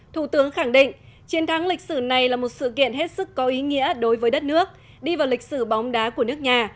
thủ tướng khẳng định chiến thắng lịch sử này là một sự kiện hết sức có ý nghĩa đối với đất nước đi vào lịch sử bóng đá của nước nhà